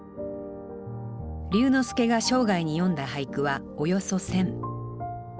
龍之介が生涯に詠んだ俳句はおよそ１，０００。